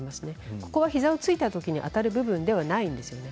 ここが膝をついたときに当たる部分ではないですね。